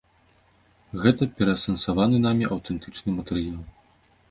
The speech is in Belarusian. Гэта пераасэнсаваны намі аўтэнтычны матэрыял.